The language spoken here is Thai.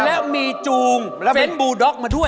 แล้วมีจูงเฟนบูด็อกมาด้วย